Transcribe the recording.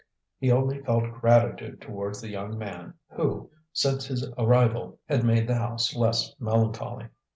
He only felt gratitude towards the young man who, since his arrival, had made the house less melancholy.